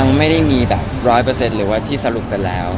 ยังไม่ได้มีแบบร้อยเปอร์เซ็ทหรือว่าที่สรุปกันแล้ว